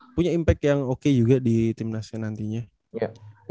pastinya si indonesia patriotsnya juga bisa nge summonin juga di timnas nya nantinya ya